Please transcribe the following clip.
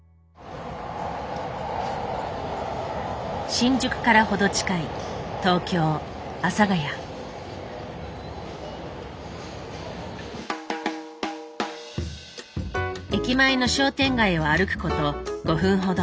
新宿から程近い駅前の商店街を歩くこと５分ほど。